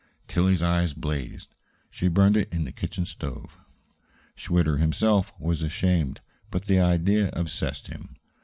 Tillie's eyes blazed. She burned it in the kitchen stove. Schwitter himself was ashamed; but the idea obsessed him.